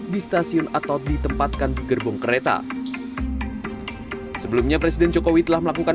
di stasiun atau ditempatkan di gerbong kereta sebelumnya presiden jokowi telah melakukan